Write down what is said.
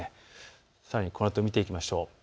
さらにこのあと見ていきましょう。